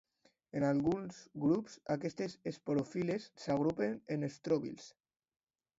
En alguns grups, aquestes esporofil·les s'agrupen en estròbils.